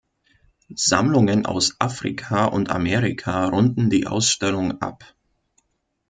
Sammlungen aus Afrika und Amerika runden die Ausstellung ab.